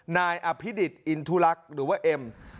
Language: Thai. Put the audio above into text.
นายอภิดิษฐ์อินทุลักษณ์หรือว่าเอ็ม